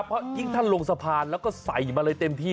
เพราะยิ่งท่านลงสะพานแล้วก็ใส่มาเลยเต็มที่